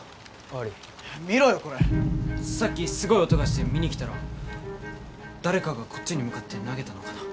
悪い見ろよこれさっきすごい音がして見に来たら誰かがこっちに向かって投げたのかな？